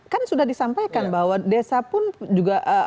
kan sudah disampaikan bahwa desa pun juga